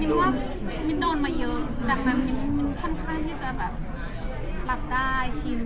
ว่ามิ้นโดนมาเยอะดังนั้นมิ้นค่อนข้างที่จะแบบรับได้ชิน